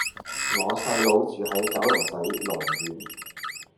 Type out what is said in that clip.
我細佬住喺九龍仔龍苑